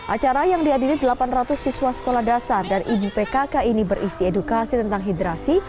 acara yang dihadiri delapan ratus siswa sekolah dasar dan ibu pkk ini berisi edukasi tentang hidrasi